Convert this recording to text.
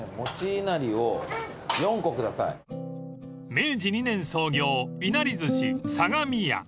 ［明治２年創業いなり寿司相模屋］